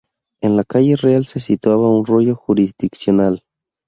En la Calle Real se situaba un rollo jurisdiccional.